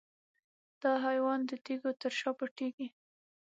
دا حیوان د تیږو تر شا پټیږي.